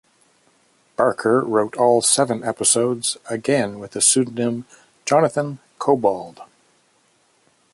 Barker wrote all seven episodes, again with the pseudonym Jonathan Cobbald.